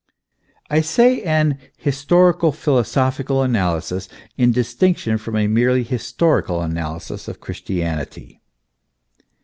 XIV PREFACE. I say an historico philosophical analysis, in distinction from a merely historical analysis of Christianity.